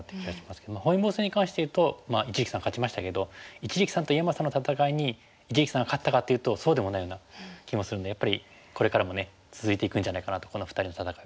本因坊戦に関していうと一力さん勝ちましたけど一力さんと井山さんの戦いに一力さんが勝ったかというとそうでもないような気もするんでやっぱりこれからも続いていくんじゃないかなとこの２人の戦いは思いますね。